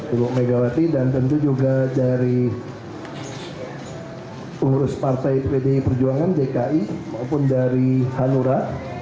ibu megawati dan tentu juga dari pengurus partai pdi perjuangan dki maupun dari hanura